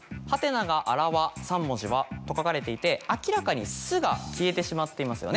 「『？』が表三文字は？」と書かれていて明らかに「す」が消えてしまっていますよね。